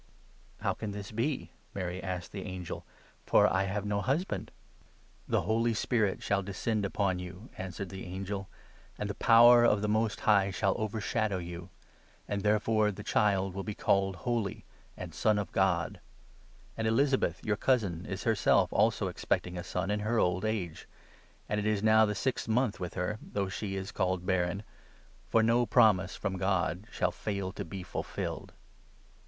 " How can this be ?" Mary asked the angel. " For I have no husband." " Num. 6. 3. " Mai. 4. 5 6. Isa. 9. 7. LUKE, 1. 105 "The Holy Spirit shall descend upon you," answered the 35 angel, "and the Power of the Most High shall overshadow you ; and therefore the child will be called ' holy,' and ' Son of God.' And Elizabeth, your cousin, is herself also expecting a 36 son in her old age ; and it is now the sixth montli with her, though she is called barren ; for no promise from God shall 37 fail to be fulfilled."